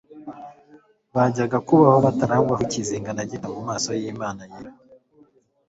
bajyaga kubaho batarangwaho ikizinga na gito mu maso yImana yera